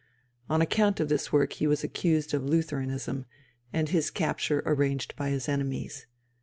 On account of this work he was accused of Lutheranism, and his capture arranged by his enemies.